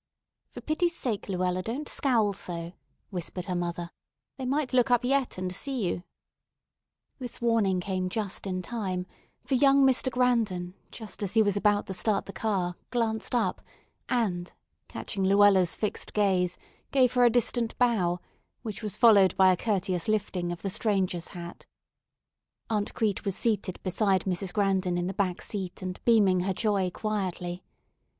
"For pity's sake, Luella, don't scowl so," whispered her mother; "they might look up yet and see you." This warning came just in time; for young Mr. Grandon just as he was about to start the car glanced up, and, catching Luella's fixed gaze, gave her a distant bow, which was followed by a courteous lifting of the stranger's hat. [Illustration: "'SOMEWHERE I HAVE SEEN THAT WOMAN,' EXCLAIMED LUELLA'S MOTHER"] Aunt Crete was seated beside Mrs. Grandon in the back seat and beaming her joy quietly.